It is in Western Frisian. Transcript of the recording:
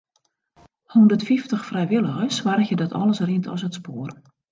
Hûndertfyftich frijwilligers soargje dat alles rint as it spoar.